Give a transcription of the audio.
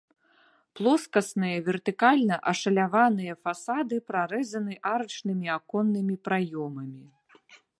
Плоскасныя вертыкальна ашаляваныя фасады прарэзаны арачнымі аконнымі праёмамі.